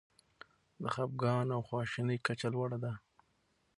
د خپګان او خواشینۍ کچه لوړه ده.